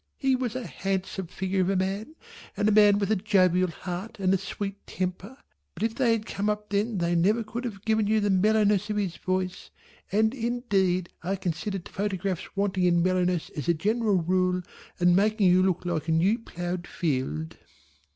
He was a handsome figure of a man, and a man with a jovial heart and a sweet temper; but if they had come up then they never could have given you the mellowness of his voice, and indeed I consider photographs wanting in mellowness as a general rule and making you look like a new ploughed field.